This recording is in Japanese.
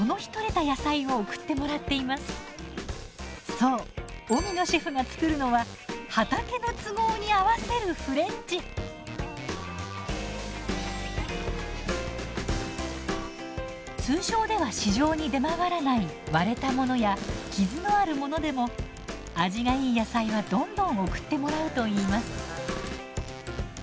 そう荻野シェフが作るのは通常では市場に出回らない割れたものや傷のあるものでも味がいい野菜はどんどん送ってもらうといいます。